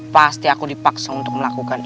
pasti aku dipaksa untuk melakukan itu